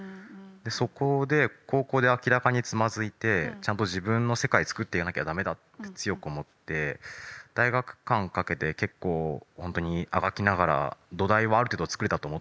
そこで高校で明らかにつまずいてちゃんと自分の世界つくっていかなきゃ駄目だって強く思って大学期間かけて結構ほんとにあがきながら土台はある程度はつくれたと思ってるんですね。